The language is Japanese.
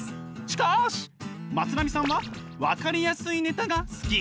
しかしまつなみさんはわかりやすいネタが好き。